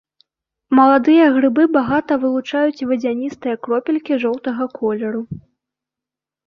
Маладыя грыбы багата вылучаюць вадзяністыя кропелькі жоўтага колеру.